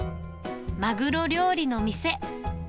マグロ料理の店。